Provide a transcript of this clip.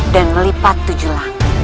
dan melipat tujuh laki